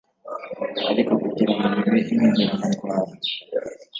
ariko kugira ngo bibe impinduramatwara